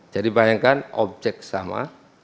jadi bayangkan objek sama